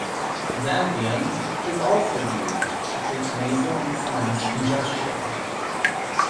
"Xanthium" is also used to treat nasal and sinus congestion.